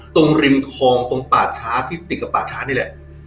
ตรงริมคลองตรงป่าช้าที่ติดกับป่าช้านี่แหละ